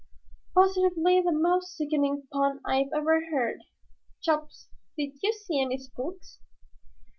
"Positively the most sickening pun I ever heard. Chops, did you see any spooks?"